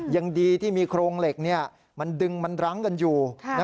ยังดีที่มีโครงเหล็กมันดึงมันรั้งกันอยู่